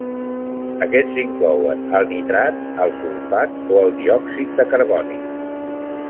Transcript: Aquests inclouen: el nitrat, el sulfat o el diòxid de carboni.